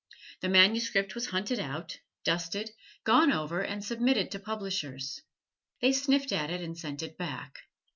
The manuscript was hunted out, dusted, gone over, and submitted to publishers. They sniffed at it and sent it back.